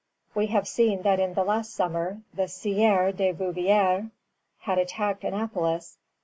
We have seen that in the last summer the Sieur Duvivier had attacked Annapolis.